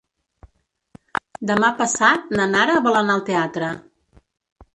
Demà passat na Nara vol anar al teatre.